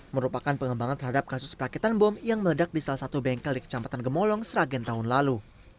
merupakan pengembangan terhadap kasus perakitan bom yang meledak di salah satu bengkel di kecamatan gemolong sragen tahun lalu